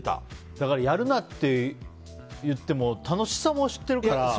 だから、やるなって言っても楽しさも知ってるから。